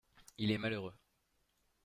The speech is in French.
Il est malheureux